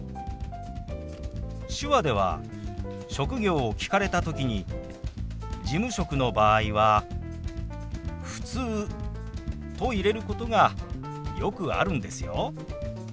手話では職業を聞かれた時に事務職の場合は「ふつう」と入れることがよくあるんですよ。